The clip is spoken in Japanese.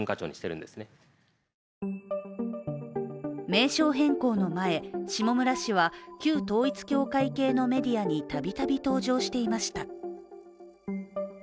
名称変更の前、下村氏は旧統一教会系のメディアにたびたび登場していました。